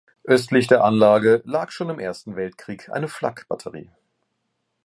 Östlich der Anlage lag schon im Ersten Weltkrieg eine Flakbatterie.